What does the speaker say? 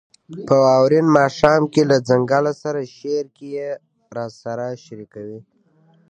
« په واورین ماښام کې له ځنګله سره» شعر کې راسره شریکوي: